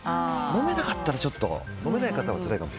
飲めなかったらちょっと飲めない方はつらいかも。